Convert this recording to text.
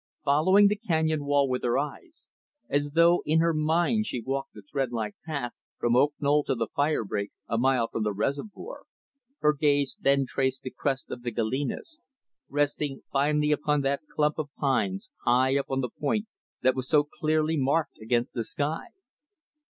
Following the canyon wall with her eyes as though in her mind she walked the thread like path from Oak Knoll to the fire break a mile from the reservoir; her gaze then traced the crest of the Galenas, resting finally upon that clump of pines high up on the point that was so clearly marked against the sky.